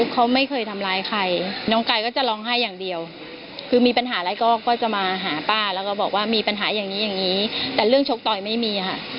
เขาไม่เคยทำร้ายใครน้องกายก็จะร้องไห้อย่างเดียวคือมีปัญหาอะไรก็จะมาหาป้าแล้วก็บอกว่ามีปัญหาอย่างนี้อย่างนี้แต่เรื่องชกต่อยไม่มีค่ะ